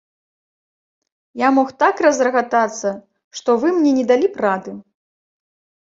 Я мог так разрагатацца, што вы мне не далі б рады.